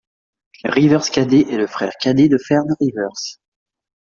Rivers Cadet est le frère cadet de Fernand Rivers.